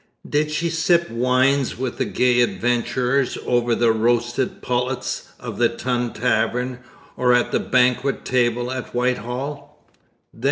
Did she sip wines with the gay adventurers over 'the roasted pullets' of the Tun tavern, or at the banquet table at Whitehall?